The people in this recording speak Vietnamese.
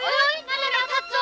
ôi ôi nó là nào